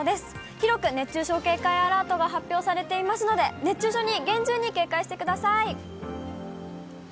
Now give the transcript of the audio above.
広く熱中症警戒アラートが発表されていますので、熱中症に厳重に警戒してください。